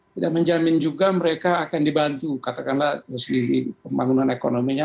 tidak menjamin juga mereka akan dibantu katakanlah dari segi pembangunan ekonominya